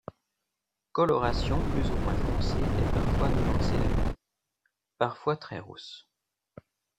Coloration plus ou moins foncée et parfois nuancée de gris, parfois très rousse.